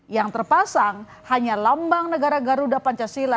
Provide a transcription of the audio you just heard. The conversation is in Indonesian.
yang terpasang hanya lambang negara garuda pancasila